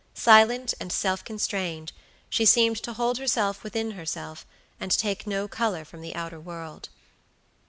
Silent and self constrained, she seemed to hold herself within herself, and take no color from the outer world.